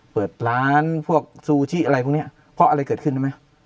เปิดล้านพวกซูซีอะไรพวกนี้เพราะว่ามันอะไรเกิดขึ้นมั้ย